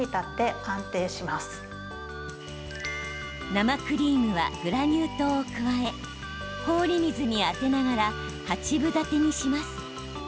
生クリームはグラニュー糖を加え氷水に当てながら八分立てにします。